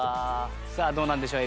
どうなんでしょう？